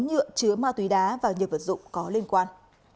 nhựa chứa ma túy đá và nhiều vật dụng có liên quan